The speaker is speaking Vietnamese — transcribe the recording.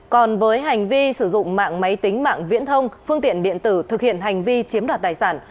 còn với hành vi sử dụng mạng máy tính mạng viễn thông phương tiện điện tử thực hiện hành vi chiếm đoạt tài sản